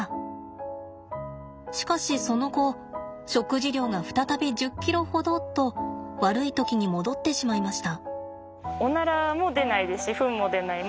しかしその後食事量が再び１０ｋｇほどと悪い時に戻ってしまいました。